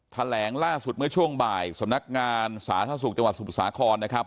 แถลงล่าสุดเมื่อช่วงบ่ายสำนักงานสาธารณสุขจังหวัดสมุทรสาครนะครับ